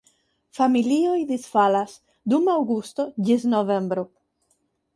Familioj disfalas dum aŭgusto ĝis novembro.